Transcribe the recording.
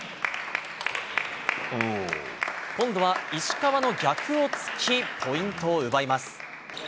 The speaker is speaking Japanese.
今度は石川の逆をつき、ポイントを奪います。